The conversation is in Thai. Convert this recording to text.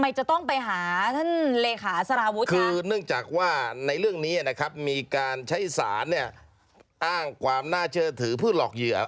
มีการใช้ศาลเนี่ยอ้างความน่าเชื่อถือเพื่อหลอกเหยื่อ